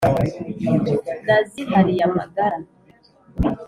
Nazihariye amagara